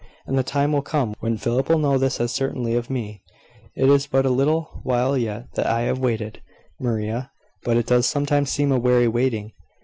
And the time will come when Philip will know this as certainly of me. It is but a little while yet that I have waited, Maria; but it does sometimes seem a weary waiting."